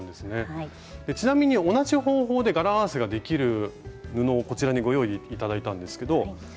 ちなみに同じ方法で柄合わせができる布をこちらにご用意頂いたんですけど。